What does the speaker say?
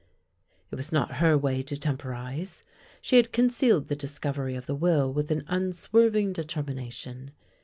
It was not her way to temporize. She had con cealed the discovery of the will with an unswerving determination.